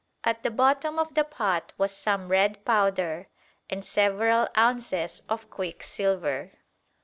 At the bottom of the pot was some red powder and several ounces of quicksilver."